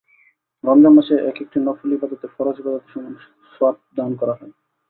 রমজান মাসে একেকটি নফল ইবাদতে ফরজ ইবাদতের সমান সওয়াব দান করা হয়।